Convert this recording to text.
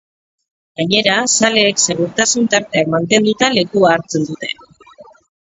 Gainera, zaleek segurtasun-tarteak mantenduta lekua hartu dute.